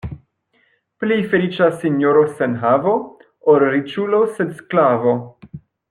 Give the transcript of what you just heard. Pli feliĉa sinjoro sen havo, ol riĉulo sed sklavo.